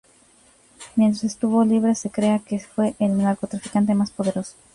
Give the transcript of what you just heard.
Mientras estuvo libre se cree que fue el narcotraficante más poderoso.